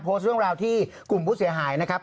โพสต์เรื่องราวที่กลุ่มผู้เสียหายนะครับ